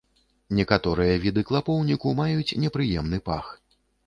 Некаторыя віды клапоўніку маюць непрыемны пах.